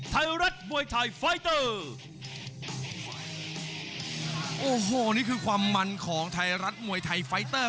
ไทยรัฐมวยไทยไฟเตอร์โอ้โหนี่คือความมันของไทยรัฐมวยไทยไฟเตอร์